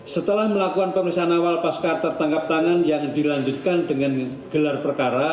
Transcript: setelah melakukan pemeriksaan awal pasca tertangkap tangan yang dilanjutkan dengan gelar perkara